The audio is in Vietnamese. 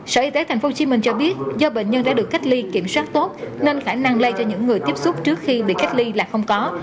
sở y tế tp hcm cho biết do bệnh nhân đã được cách ly kiểm soát tốt nên khả năng lây cho những người tiếp xúc trước khi bị cách ly là không có